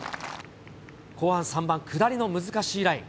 後半３番、下りの難しいライン。